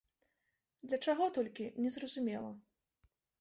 Для чаго толькі, незразумела.